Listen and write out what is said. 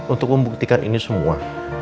untuk membuktikan ini semua